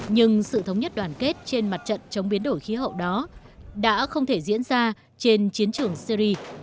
nhưng sự thống nhất đoàn kết trên mặt trận chống biến đổi khí hậu đó đã không thể diễn ra trên chiến trường syri